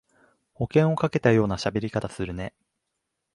保険をかけたようなしゃべり方するね